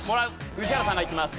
宇治原さんがいきます。